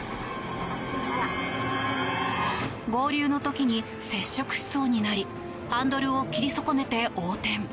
合流の時に接触しそうになりハンドルを切り損ねて横転。